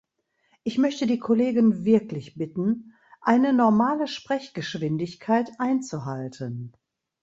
Ich möchte die Kollegen wirklich bitten, eine normale Sprechgeschwindigkeit einzuhalten!